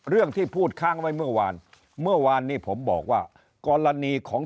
เรื่องที่พูดค้างไว้เมื่อวานเมื่อวานนี้ผมบอกว่ากรณีของ